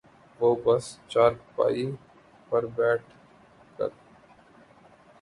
وہ بس چارپائی پر بیٹھ کر